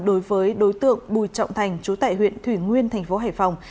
đối với đối tượng bùi trọng thành trú tại huyện thủy nguyên tp hải phòng